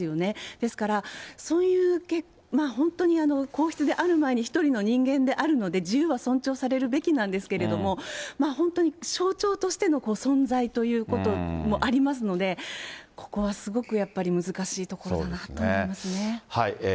ですから、そういう本当に皇室である前に一人の人間であるので、自由は尊重されるべきなんですけれども、本当に象徴としての存在ということもありますので、ここはすごくやっぱり、難しいところだなと思いますね。